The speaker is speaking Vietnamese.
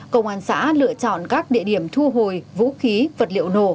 công an xã lựa chọn các địa điểm thu hồi vũ khí vật liệu nổ